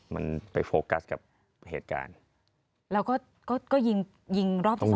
มันไปโฟกัสกับเหตุการณ์